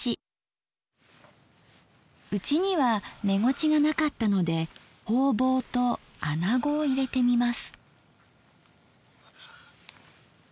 うちにはめごちが無かったのでほうぼうとあなごを入れてみます。